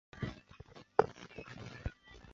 中国数学会为中国科学技术协会的成员。